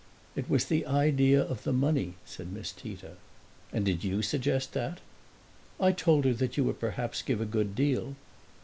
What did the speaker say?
"It was the idea of the money," said Miss Tita. "And did you suggest that?" "I told her that you would perhaps give a good deal."